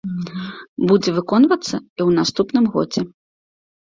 Будзе выконвацца і ў наступным годзе.